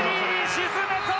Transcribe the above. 沈めた！